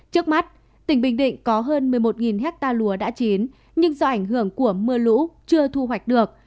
trước mắt tỉnh bình định có hơn một mươi một hectare lúa đã chín nhưng do ảnh hưởng của mưa lũ chưa thu hoạch được